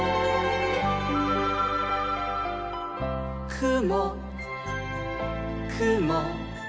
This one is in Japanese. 「くもくも」